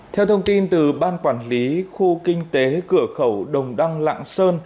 theo thông tin từ ban quản lý khu kinh tế cửa khẩu đồng đăng lạng sơn